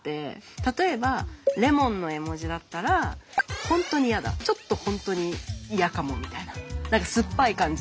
例えばレモンの絵文字だったら本当にイヤだちょっと本当にイヤかもみたいな何か酸っぱい感じ。